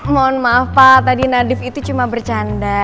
mohon maaf pak tadi nadif itu cuma bercanda